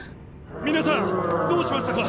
皆さんどうしましたか？